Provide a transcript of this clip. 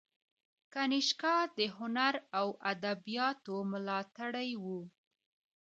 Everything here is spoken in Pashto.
کنیشکا د هنر او ادبیاتو ملاتړی و